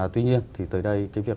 tuy nhiên thì tới đây cái việc